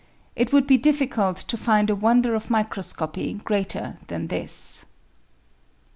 It would be difficvlt to find a wonder of microscopy greater than this.